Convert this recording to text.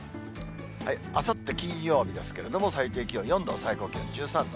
あさって金曜日ですけれども、最低気温４度、最高気温１３度。